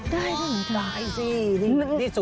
ได้จริง